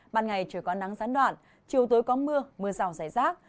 ban ngày trời có nắng gián đoạn chiều tối có mưa mưa rào rải rác